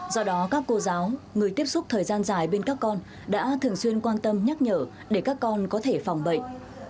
do đó các cô giáo người tiếp xúc thời gian dài bên các con đã thường xuyên quan tâm nhắc nhở để các con có thể phòng bệnh